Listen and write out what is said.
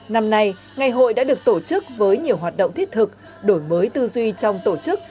năm nay ngày hội đã được tổ chức với nhiều hoạt động thiết thực đổi mới tư duy trong tổ chức